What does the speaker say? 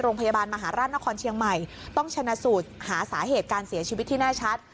โรงพยาบาลมหาราชนครเชียงใหม่ต้องชนะสูตรหาสาเหตุการเสียชีวิตที่แน่ชัด